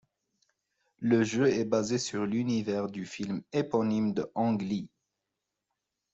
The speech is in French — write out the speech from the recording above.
Le jeu est basé sur l'univers du film éponyme de Ang Lee.